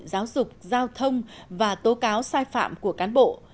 giáo dục giao thông và tố cáo sai phạm của cán bộ